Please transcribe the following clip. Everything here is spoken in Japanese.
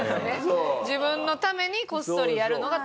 自分のためにこっそりやるのが楽しい。